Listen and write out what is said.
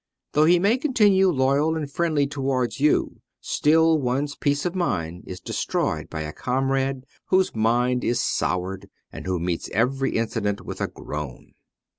Though he may continue loyal and friendly towards yon, still one's peace of mind is destroyed by a comrade whose mind is soured and who meets every incident with a groan.